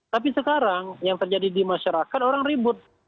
tapi sekarang yang terjadi di masyarakat orang ribut